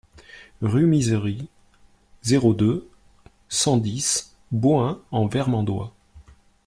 Rue Misery, zéro deux, cent dix Bohain-en-Vermandois